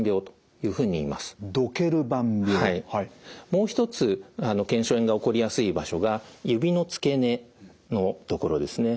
もう一つ腱鞘炎が起こりやすい場所が指の付け根のところですね。